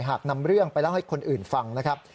หากนำเรื่องไปเล่าให้คนอื่นฟังนะครับ